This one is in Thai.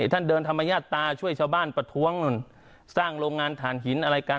ท่านเดินธรรมญาตาช่วยชาวบ้านประท้วงนู่นสร้างโรงงานฐานหินอะไรกัน